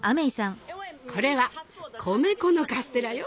これは米粉のカステラよ。